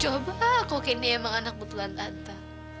coba kok ini emang anak butuhan tante